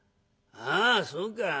「ああそうか。